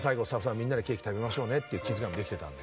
みんなでケーキ食べましょうねっていう気遣いもできてたので。